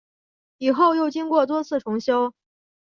以后又经过多次重修。